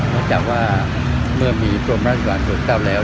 งั้นจากที่มีเตรียมรับการหุดับแล้ว